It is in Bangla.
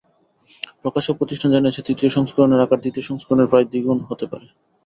প্রকাশক প্রতিষ্ঠান জানিয়েছে, তৃতীয় সংস্করণের আকার দ্বিতীয় সংস্করণের প্রায় দ্বিগুণ হতে পারে।